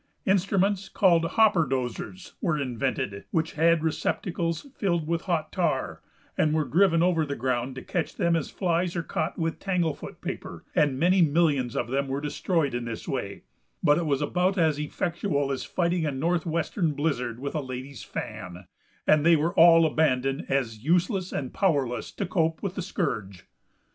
Instruments called "hopperdozers" were invented, which had receptacles filled with hot tar, and were driven over the ground to catch them as flies are caught with tanglefoot paper, and many millions of them were destroyed in this way, but it was about as effectual as fighting a Northwestern blizzard with a lady's fan, and they were all abandoned as useless and powerless to cope with the scourge.